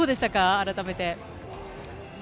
改めて。